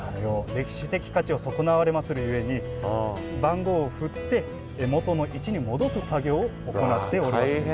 歴史的価値を損なわれまするゆえに番号を振って元の位置に戻す作業を行っておるわけで。